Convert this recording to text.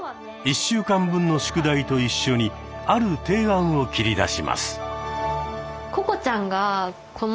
１週間分の宿題と一緒にある提案を切り出します。